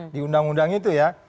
di undang undang itu ya